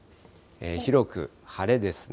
広く晴れですね。